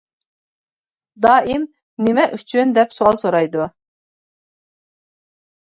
دائىم «نېمە ئۈچۈن؟ » دەپ سوئال سورايدۇ.